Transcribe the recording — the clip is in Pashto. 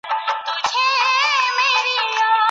لویې لاسته راوړنې یوازي په استعداد پوري نه سي منحصر کېدلای.